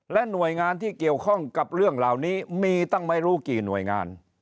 หน่วยงานที่เกี่ยวข้องกับเรื่องเหล่านี้มีตั้งไม่รู้กี่หน่วยงาน